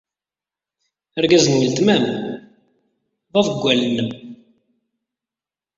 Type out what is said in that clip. Argaz n weltma-m d aḍewwal-nnem.